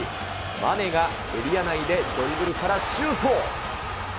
マネがエリア内でドリブルからシュート。